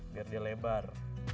biar dia lebar